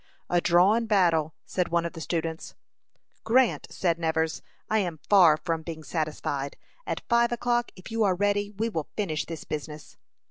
"A drawn battle," said one of the students. "Grant," said Nevers, "I am far from being satisfied. At five o'clock, if you are ready, we will finish this business."